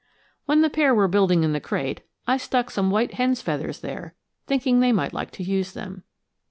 When the pair were building in the crate, I stuck some white hen's feathers there, thinking they might like to use them.